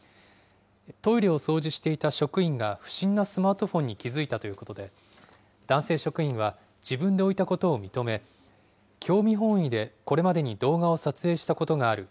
トイレを掃除していた職員が、不審なスマートフォンに気付いたということで、男性職員は自分で置いたことを認め、興味本位でこれまでに動画を撮影したことがある。